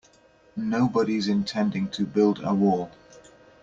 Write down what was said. Nobody's intending to build a wall.